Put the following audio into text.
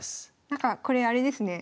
なんかこれあれですね